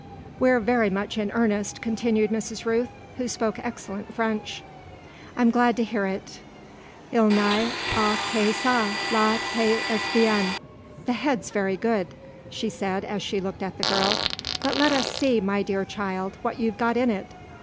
"We're very much in earnest," continued Mrs. Rooth, who spoke excellent French. "I'm glad to hear it il n'y a que ça. La tête est bien the head's very good," she said as she looked at the girl. "But let us see, my dear child, what you've got in it!"